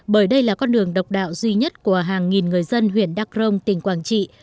bởi đây là con đường độc đạo duy nhất của hàng nghìn người dân huyện đắk rông tỉnh quảng trị